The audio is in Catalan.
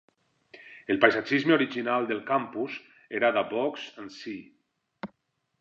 El paisatgisme original del campus era da Vaux and C.